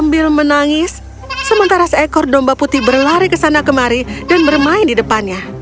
dia menangis sementara seorang domba putih berlari ke sana dan kembali dan bermain di depannya